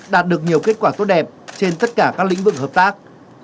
đạt được nhiều kết quả tốt đẹp trên tất cả các lĩnh vực hợp tác